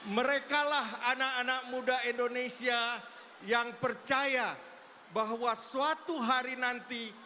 merekalah anak anak muda indonesia yang percaya bahwa suatu hari nanti